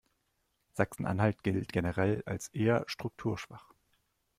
Sachsen-Anhalt gilt generell als eher strukturschwach.